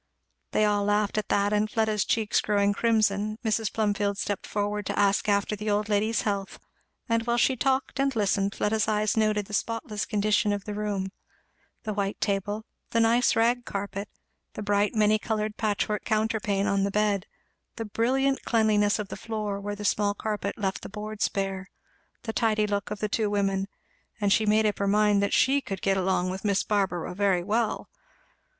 They all laughed at that, and Fleda's cheeks growing crimson, Mrs. Plumfield stepped forward to ask after the old lady's health; and while she talked and listened Fleda's eyes noted the spotless condition of the room the white table, the nice rag carpet, the bright many coloured patch work counterpane on the bed, the brilliant cleanliness of the floor where the small carpet left the boards bare, the tidy look of the two women; and she made up her mind that she could get along with Miss Barbara very well.